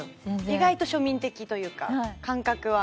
意外と庶民的というか感覚は。